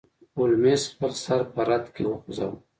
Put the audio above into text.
هولمز خپل سر په رد کې وخوزاوه.